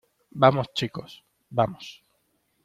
vamos, chicos. vamos .